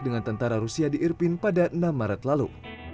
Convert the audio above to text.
dengan tentara rusia di irpin pada enam maret lalu